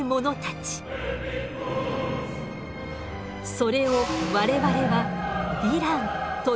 それを我々は「ヴィラン」と呼びます。